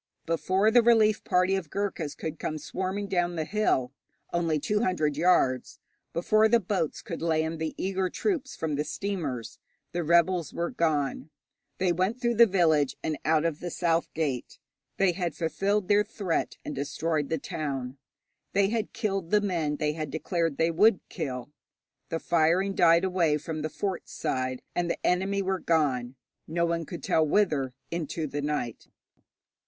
Before the relief party of Ghurkas could come swarming down the hill, only two hundred yards, before the boats could land the eager troops from the steamers, the rebels were gone. They went through the village and out of the south gate. They had fulfilled their threat and destroyed the town. They had killed the men they had declared they would kill. The firing died away from the fort side, and the enemy were gone, no one could tell whither, into the night.